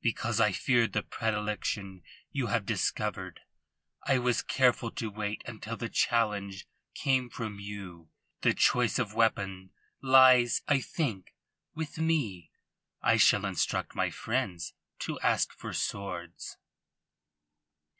Because I feared the predilection you have discovered, I was careful to wait until the challenge came from you. The choice of weapons lies, I think, with me. I shall instruct my friends to ask for swords."